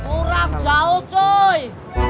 uram jauh coy